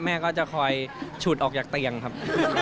แม่ก็จะคอยฉุดออกจากเตียงครับ